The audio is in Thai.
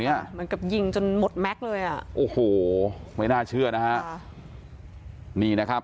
เหมือนกับยิงจนหมดแม็กซ์เลยอ่ะโอ้โหไม่น่าเชื่อนะฮะค่ะนี่นะครับ